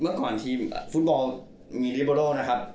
เมื่อก่อนทีมฟุตบอลมีลิโบโลนะครับ